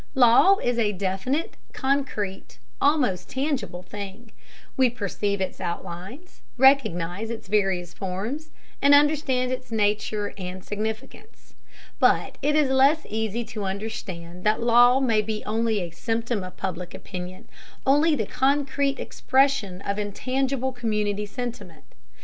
Law is a definite, concrete, almost tangible thing; we perceive its outlines, recognize its various forms, and understand its nature and significance. But it is less easy to understand that law may be only a symptom of Public Opinion, only the concrete expression of intangible community sentiment.